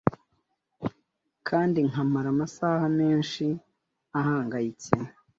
Kandi nkamara amasaha menshi ahangayitse